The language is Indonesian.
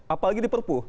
apalagi di perpu